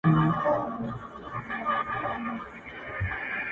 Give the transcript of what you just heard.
بیا مُلا سو بیا هغه د سیند څپې سوې!!